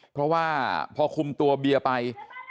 เพราะว่าพอคุมตัวเบียร์ไป